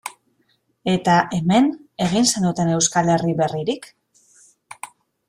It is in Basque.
Eta, hemen, egin zenuten Euskal Herri berririk?